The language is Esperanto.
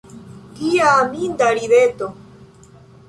Kia aminda rideto!